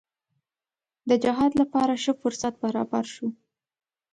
د جهاد لپاره ښه فرصت برابر شو.